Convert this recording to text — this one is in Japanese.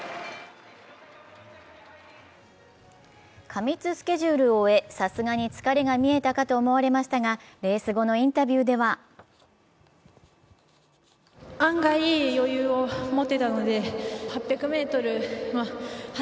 過密スケジュールを終え、さすがに疲れが見えたかと思われましたがレース後のインタビューでは余裕、ゆとりが。